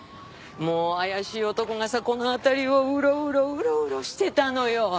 もう怪しい男がさこの辺りをウロウロウロウロしてたのよ。